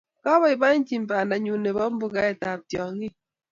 Kaboibochi bandanyu nebo mbugetab tyong'iik.